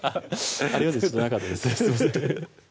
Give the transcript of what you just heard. あるようでちょっとなかったですね